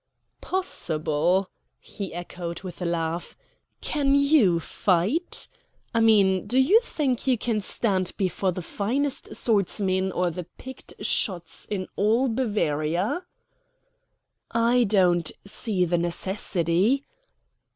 "Possible," he echoed, with a laugh. "Can you fight? I mean, do you think you can stand before the finest swordsmen or the picked shots in all Bavaria?" "I don't see the necessity."